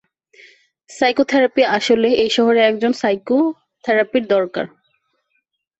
Psychotherapy আসলে, এই শহরে একজন সাইকোথেরাপির দরকার।